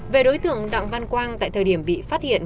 về đối tượng đặng văn quang tại thời điểm bị phát hiện